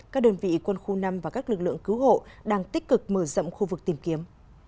các đơn vị quân khu năm và các lực lượng cứu hộ đang tích cực mở rộng khu vực tìm kiếm